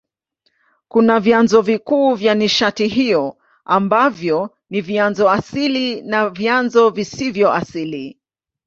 Kuna vyanzo vikuu vya nishati hiyo ambavyo ni vyanzo asili na vyanzo visivyo asili.